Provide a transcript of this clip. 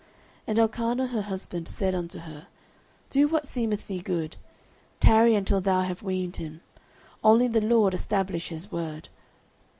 09:001:023 And Elkanah her husband said unto her, Do what seemeth thee good; tarry until thou have weaned him; only the LORD establish his word.